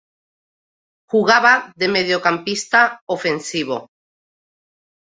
Jugaba de mediocampista ofensivo.